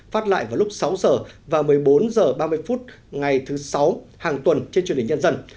phát lại vào lúc sáu h và một mươi bốn h ba mươi phút ngày thứ sáu hàng tuần trên truyền hình nhân dân